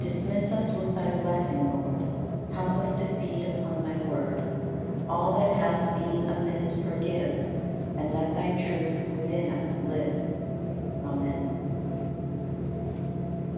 95. Dismiss us with Thy blessing, Lord; Help us to feed upon Thy Word; All that has been amiss forgive And let Thy truth within us live. Amen.